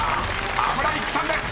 沢村一樹さんです！］